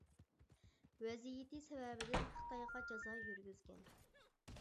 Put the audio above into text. ۋەزىيىتى سەۋەبىدىن خىتايغا جازا يۈرگۈزگەن.